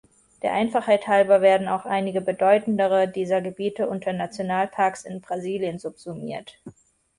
Der Einfachheit halber werden auch einige bedeutendere dieser Gebiete unter Nationalparks in Brasilien subsumiert.